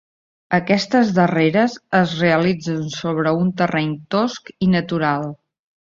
Aquestes darreres es realitzen sobre un terreny tosc i natural.